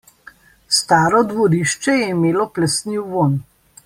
Staro dvorišče je imelo plesniv vonj.